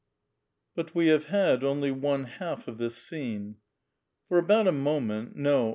But we have had only one half of this scene. For about a moment, — no.